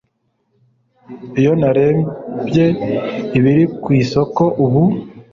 iyo narebye ibiri ku isoko ubu